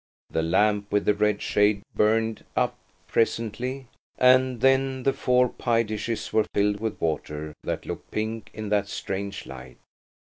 The lamp with the red shade burned up presently, and then the four pie dishes were filled with water that looked pink in that strange light.